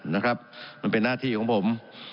มันเป็นหน้าที่ของผม